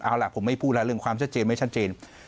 เอาล่ะผมไม่พูดแล้วเรื่องความชัดเจนไม่ชัดเจน